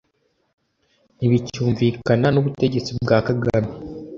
ntibicyumvikana n’ubutegetsi bwa Kagame